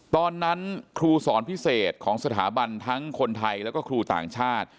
ตอนนั้นครูสอนพิเศษของสถาบันทั้งคนไทยแล้วก็ครูต่างชาติ